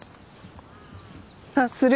あっする。